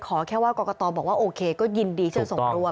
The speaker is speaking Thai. แค่ว่ากรกตบอกว่าโอเคก็ยินดีที่จะส่งร่วม